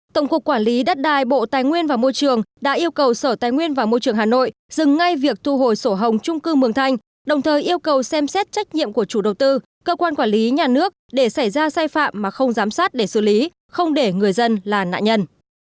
tổng cục quản lý đất đai bộ tài nguyên và môi trường đã yêu cầu sở tài nguyên và môi trường hà nội dừng ngay việc thu hồi sổ hồng trung cư mường thanh đồng thời yêu cầu xem xét trách nhiệm của chủ đầu tư cơ quan quản lý nhà nước để xảy ra sai phạm mà không giám sát để xử lý không để người dân là nạn nhân